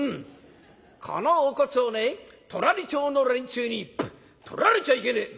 このお骨をね隣町の連中にとられちゃいけねえ！」。